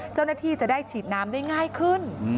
เจ้าหน้าที่จะได้ฉีดน้ำได้ง่ายขึ้น